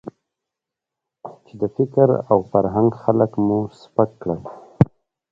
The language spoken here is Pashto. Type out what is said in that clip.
چې د فکر او فرهنګ خلک مو سپک کړي دي.